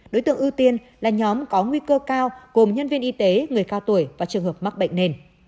đối tượng ưu tiên là nhóm có nguy cơ cao gồm nhân viên y tế người cao tuổi và trường hợp mắc bệnh nền